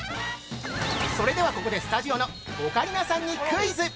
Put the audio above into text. ◆それではここで、スタジオのオカリナさんにクイズ。